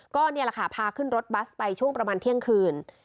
ก็นี่แหละค่ะพาขึ้นรถบัสไปช่วงประมาณเที่ยงคืน